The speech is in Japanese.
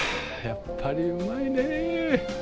やっぱりうまいね。